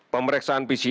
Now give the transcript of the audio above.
pemeriksaan pcr real time